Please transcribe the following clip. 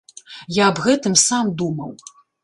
Я аб гэтым сам думаў.